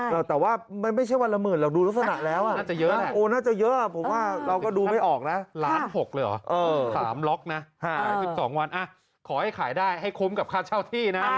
๖เลยเหรอ๓ล็อกนะ๑๒วันขอให้ขายได้ให้คุ้มกับค่าเช่าที่นะ